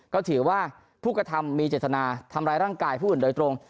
ก็ถือว่าผู้กระทำมีเจตนาทำร้ายร่างกายผู้อื่นโดยตรง